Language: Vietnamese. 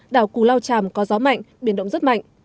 đảo cù lao tràm có gió mạnh biển động rất mạnh